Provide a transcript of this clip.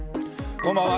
こんばんは。